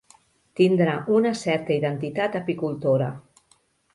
Tindrà una certa identitat apicultora.